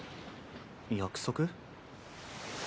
約束？